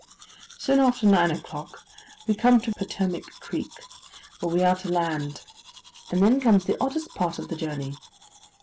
Soon after nine o'clock we come to Potomac Creek, where we are to land; and then comes the oddest part of the journey.